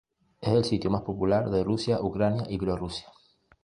Es el sitio más popular de Rusia, Ucrania y Bielorrusia.